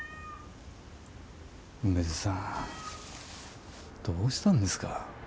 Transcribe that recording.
梅津さんどうしたんですか。